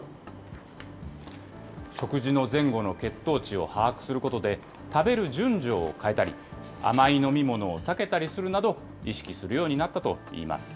食事の前後の血糖値を把握することで、食べる順序を変えたり、甘い飲み物を避けたりするなど、意識するようになったといいます。